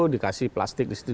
dikasih plastik di situ